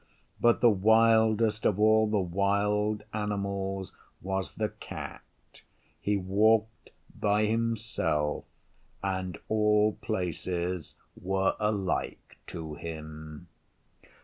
But the wildest of all the wild animals was the Cat. He walked by himself, and all places were alike to him.